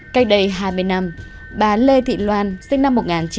cách đây hai mươi năm bà lê thị loan sinh năm một nghìn chín trăm bảy mươi